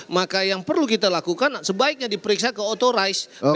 maka yang perlu kita lakukan sebaiknya diperiksa ke authorize